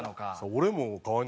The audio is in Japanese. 俺も。